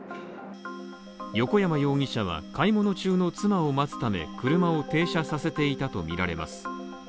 横山容疑者は買い物中の妻を待つため、車を停車させていたとみられます。